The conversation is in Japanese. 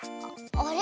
あれ？